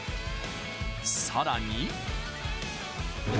さらに。